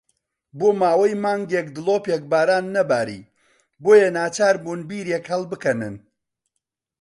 بۆ ماوەی مانگێک دڵۆپێک باران نەباری، بۆیە ناچار بوون بیرێک هەڵبکەنن.